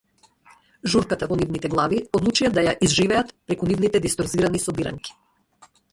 Журката во нивните глави одлучија да ја изживеат преку нивните дисторзирани собиранки.